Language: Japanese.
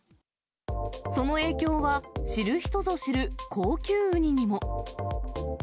その影響は、知る人ぞ知る高級ウニにも。